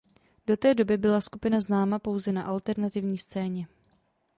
Do té doby byla skupina známá pouze na alternativní scéně.